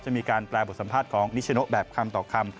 มีการแปลบทสัมภาษณ์ของนิชโนแบบคำต่อคำ